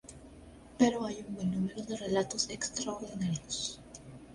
Pero hay un buen número de relatos extraordinarios.